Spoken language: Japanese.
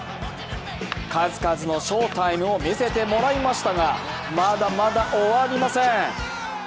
数々の翔タイムを見せてもらいましたが、まだまだ終わりません。